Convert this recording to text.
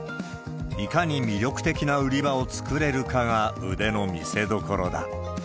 いかに魅力的な売り場を作れるかが、腕の見せ所だ。